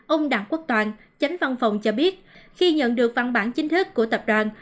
ông đặng quốc toàn chánh văn phòng cho biết khi nhận được văn bản chính thức của tập đoàn